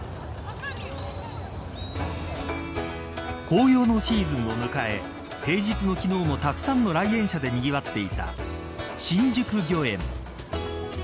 紅葉のシーズンを迎え平日の昨日もたくさんの来園者でにぎわっていた新宿御苑。